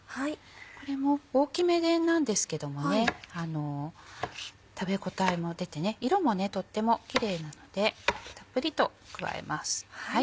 これも大きめなんですけども食べ応えも出て色もとってもキレイなのでたっぷりと加えます。